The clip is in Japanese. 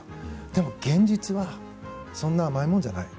でも、現実はそんな甘いもんじゃない。